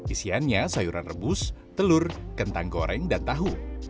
isiannya sayuran rebus telur kentang goreng dan tahu